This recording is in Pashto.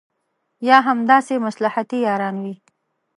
یا همداسې مصلحتي یاران وي.